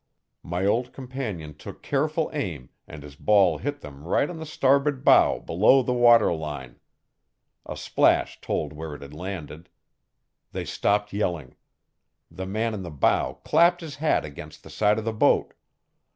My old companion took careful aim and his ball hit them right on the starboard bow below the water line. A splash told where it had landed. They stopped yelling. The man in the bow clapped his hat against the side of the boat.